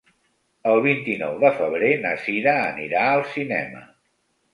El vint-i-nou de febrer na Sira anirà al cinema.